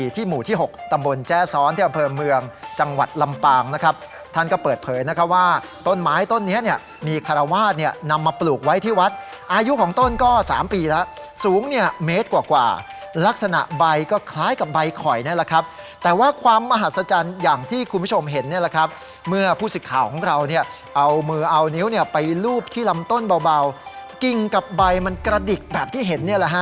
ที่หมู่ที่หกตำบลแจ้ซ้อนที่อำเภอเมืองจังหวัดลำปางนะครับท่านก็เปิดเผยนะคะว่าต้นไม้ต้นนี้เนี้ยมีคาราวาสเนี้ยนำมาปลูกไว้ที่วัดอายุของต้นก็สามปีแล้วสูงเนี้ยเมตรกว่ากว่าลักษณะใบก็คล้ายกับใบข่อยนี่แหละครับแต่ว่าความมหัศจรรย์อย่างที่คุณผู้ชมเห็นเนี้ยแหละครับเมื่